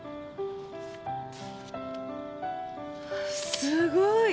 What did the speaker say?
すごい！